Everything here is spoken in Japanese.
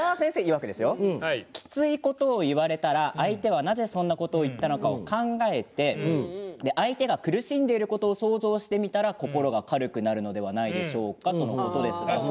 いわくきついことを言われたら相手はなぜそんなことを言ったのかを考えて相手が苦しんでることを想像してみたら心が軽くなるのではないでしょうかということです。